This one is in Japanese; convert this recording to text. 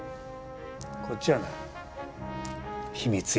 こっちはな秘密や。